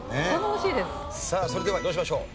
さあそれではどうしましょう？